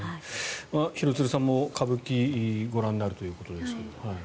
廣津留さんも歌舞伎をご覧になるということですが。